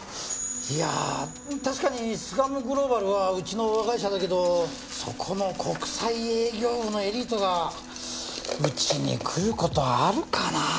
いや確かに巣鴨グローバルはうちの親会社だけどそこの国際営業部のエリートがうちに来る事あるかな？